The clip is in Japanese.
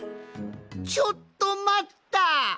ちょっとまった！